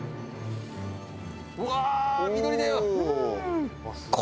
うわー緑だよ！